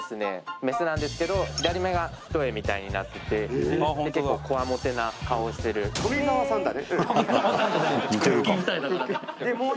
メスなんですけど左目が一重みたいになってて結構こわもてな顔してる・富澤さんだね